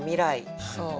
そう。